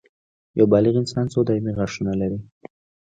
یو بالغ انسان څو دایمي غاښونه لري